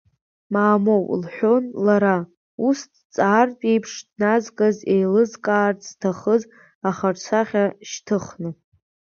Мамоу, – лҳәон лара, ус дҵаартә еиԥш дназгаз еилызкаарц зҭахыз ахаҿсахьа шьҭыхны.